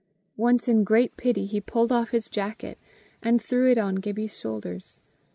Once, in great pity, he pulled off his jacket, and threw it on Gibbie's shoulders.